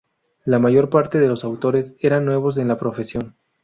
La mayor parte de los autores eran nuevos en la profesión.